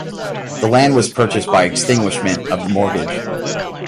The land was purchased by extinguishment of the mortgage.